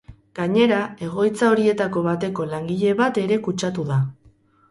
Gainera, egoitza horietako bateko langile bat ere kutsatu da.